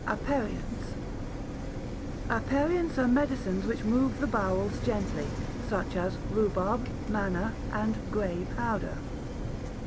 Aperients Aperients are medicines which move the bowels gently, such as rhubarb, manna, and grey powder.